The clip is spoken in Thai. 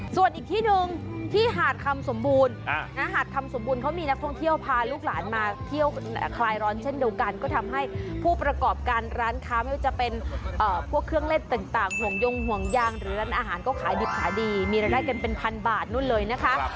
ส่วนอีกที่หนึ่งที่หาดคำสมบูรณ์หาดคำสมบูรณ์เขามีนักท่องเที่ยวพาลูกหลานมาเที่ยวคลายร้อนเช่นเดียวกันก็ทำให้ผู้ประกอบการร้านค้าไม่ว่าจะเป็นพวกเครื่องเล่นต่างห่วงยงห่วงยางหรือร้านอาหารก็ขายดิบขายดีมีรายได้กันเป็นพันบาทนู่นเลยนะคะ